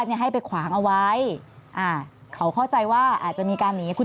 เนี่ยให้ไปขวางเอาไว้อ่าเขาเข้าใจว่าอาจจะมีการหนีคุณ